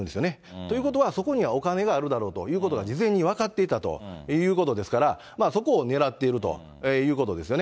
ということは、そこにはお金があるだろうということが事前に分かっていたということですから、そこを狙っているということですよね。